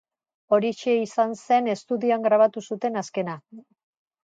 Horixe izan zen estudioan grabatu zuten azkena.